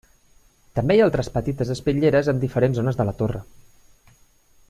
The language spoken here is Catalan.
També hi ha altres petites espitlleres en diferents zones de la torre.